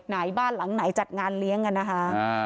ไหนบ้านหลังไหนจัดงานเลี้ยงกันนะคะ